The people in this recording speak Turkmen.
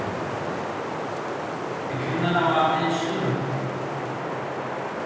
Ikindi namazyna ýetişdim.